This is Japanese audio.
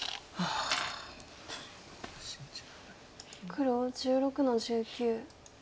黒１６の十九。